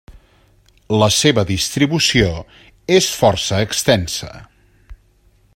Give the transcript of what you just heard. La seva distribució és força extensa.